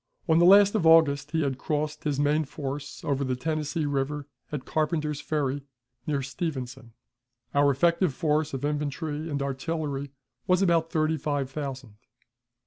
On the last of August he had crossed his main force over the Tennessee River at Carpenter's Ferry, near Stevenson. Our effective force of infantry and artillery was about thirty five thousand.